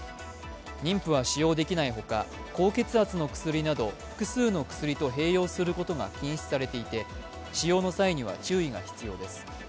妊婦は使用できないほか高血圧の薬など複数の薬と併用することが禁止されていて使用の際には注意が必要です。